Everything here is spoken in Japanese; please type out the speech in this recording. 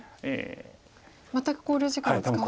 全く考慮時間を使わずに。